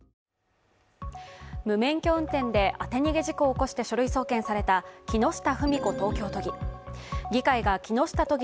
無免許運転で当て逃げ事故を起こして書類送検された木下富美子東京都議。